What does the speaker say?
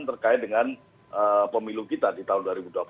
terkait dengan pemilu kita di tahun dua ribu dua puluh empat